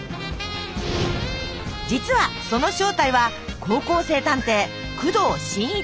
実はその正体は高校生探偵工藤新一。